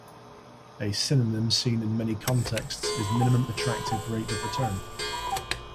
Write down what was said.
A synonym seen in many contexts is minimum attractive rate of return.